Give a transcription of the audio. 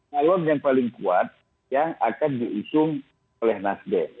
calon yang paling kuat yang akan diusung oleh nasdem